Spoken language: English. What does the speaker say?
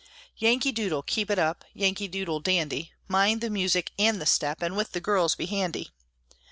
Yankee Doodle, keep it up, Yankee Doodle, dandy, Mind the music and the step, And with the girls be handy.